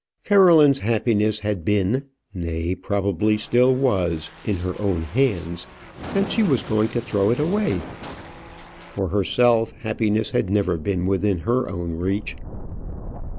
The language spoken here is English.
Caroline's happiness had been, nay, probably still was, in her own hands, and she was going to throw it away. For herself, happiness had never been within her own reach.